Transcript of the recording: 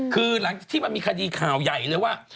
คือหลังจากที่มันมีคดีข่าวใหญ่เลยว่า